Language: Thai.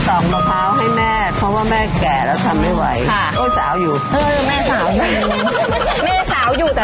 ทำมะพาวเสร็จแล้วแม่ก็ขู่ด